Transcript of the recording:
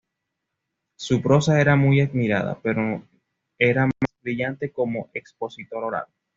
Su prosa era muy admirada, pero era más brillante como expositor oral.